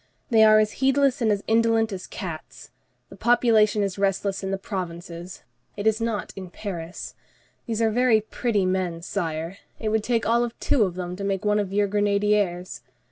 They are as heedless and as indolent as cats. The populace is restless in the provinces; it is not in Paris. These are very pretty men, Sire. It would take all of two of them to make one of your grenadiers.